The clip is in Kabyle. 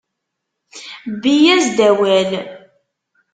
Bbi-yas-d, awal!